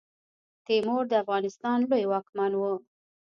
تیمور د افغانستان لوی واکمن وو.